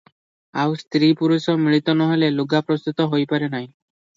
ଆଉ ସ୍ତ୍ରୀ ପୁରୁଷ ମିଳିତ ନହେଲେ ଲୁଗା ପ୍ରସ୍ତୁତ ହୋଇପାରେ ନାହିଁ ।